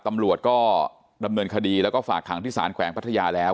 ตำรวจก็ดำเนินคดีแล้วก็ฝากขังที่สารแขวงพัทยาแล้ว